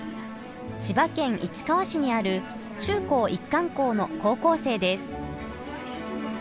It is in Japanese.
千葉県市川市にある中高一貫校の高校生です。